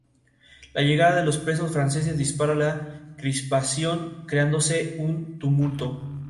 La llegada de los presos franceses dispara la crispación creándose un tumulto.